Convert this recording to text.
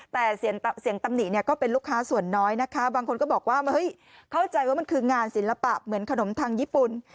แต่เสียงตำหนิเนี่ยก็เป็นลูกค้าส่วนน้อยนะคะบางคนก็บอกว่าเฮ้ยเข้าใจว่ามันคืองานศิลปะเหมือนขนมทางญี่ปุ่น